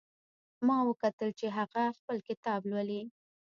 ما وکتل چې هغه خپل کتاب لولي